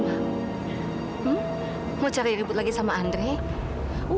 hmm mau jalan ribut lagi ke saudaraku